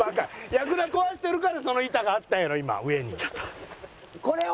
やぐら壊してるからその板があったんやろ今上に。